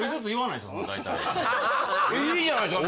大体いいじゃないですか